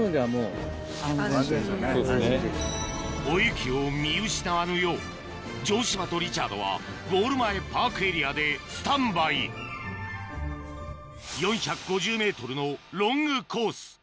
おゆきを見失わぬよう城島とリチャードはゴール前パークエリアでスタンバイ４５０ｍのロングコース